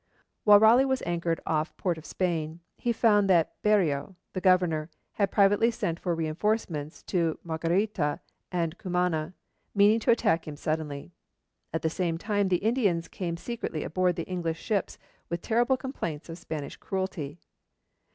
While Raleigh was anchored off Port of Spain, he found that Berreo, the Governor, had privately sent for reinforcements to Marguerita and Cumana, meaning to attack him suddenly. At the same time the Indians came secretly aboard the English ships with terrible complaints of Spanish cruelty.